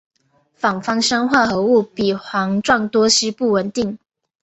反芳香化合物比环状多烯不稳定。